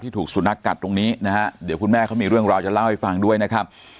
ถูกสุนัขกัดตรงนี้นะฮะเดี๋ยวคุณแม่เขามีเรื่องราวจะเล่าให้ฟังด้วยนะครับ